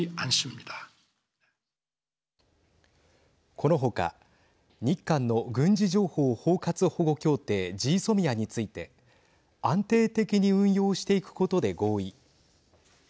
この他、日韓の軍事情報包括保護協定＝ＧＳＯＭＩＡについて安定的に運用していくことで合意。